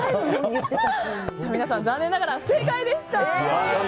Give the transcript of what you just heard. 皆さん、残念ながら不正解でした！